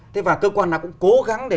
thế và cơ quan nào cũng cố gắng để